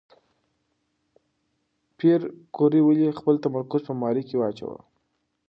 پېیر کوري ولې خپل تمرکز په ماري کې واچاوه؟